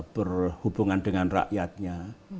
berhubungan dengan rakyatnya